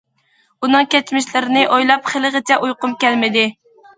ئۇنىڭ كەچمىشلىرىنى ئويلاپ خېلىغىچە ئۇيقۇم كەلمىدى.